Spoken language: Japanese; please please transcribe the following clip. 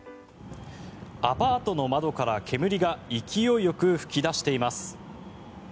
アパートの窓から煙が勢いよく噴き出しています。